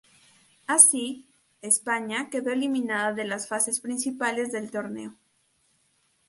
Así, España quedó eliminada de las fases principales del torneo.